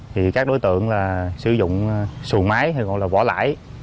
thì các đối tượng sử dụng sùn máy hay gọi là bỏ lãi